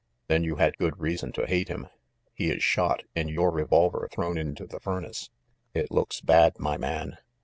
"Then you had good reason to hate him? He is shot, and your revolver thrown into the furnace. It looks bad, my man!"